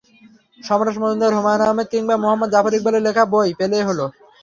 সমরেশ মজুমদার, হু্মায়ূন আহমেদ কিংবা মুহম্মদ জাফর ইকবালের লেখা বই, পেলেই হলো।